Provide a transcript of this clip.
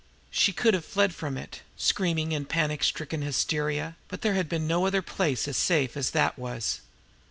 She could have fled from it, screaming in panic stricken hysteria but there had been no other place as safe as that was.